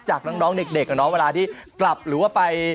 จากน้องเด็กเวลาที่กลับหรือว่าไป